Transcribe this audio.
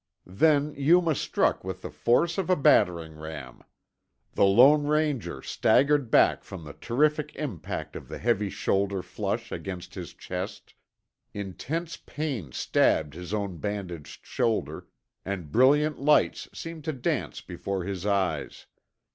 Then Yuma struck with the force of a battering ram. The Lone Ranger staggered back from the terrific impact of the heavy shoulder flush against his chest. Intense pain stabbed his own bandaged shoulder, and brilliant lights seemed to dance before his eyes.